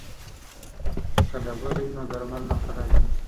که ډبلي وي نو درمل نه خرابېږي.